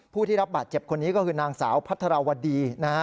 ผู้ที่รับบาดเจ็บคนนี้ก็คือนางสาวพัทรวดีนะฮะ